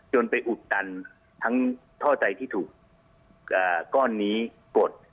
ไปอุดตันทั้งท่อใจที่ถูกก้อนนี้กด